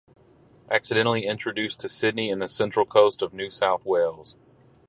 Accidentally introduced to Sydney and the Central Coast of New South Wales.